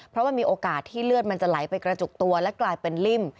เพราะมันมีโอกาสที่เลือดมันจะไหลไปกระจุกตัวและกลายเป็นริ่ม